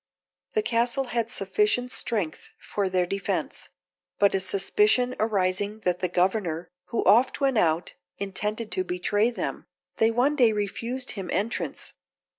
The castle had sufficient strength for their defence; but a suspicion arising that the governor, who often went out, intended to betray them, they one day refused him entrance.